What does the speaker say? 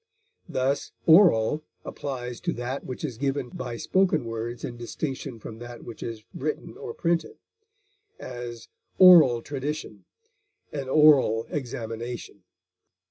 Thus oral applies to that which is given by spoken words in distinction from that which is written or printed; as, oral tradition; an oral examination.